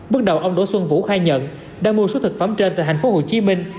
bước đầu ông đỗ xuân vũ khai nhận đã mua số thực phẩm trên tại thành phố hồ chí minh